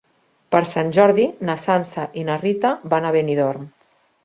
Per Sant Jordi na Sança i na Rita van a Benidorm.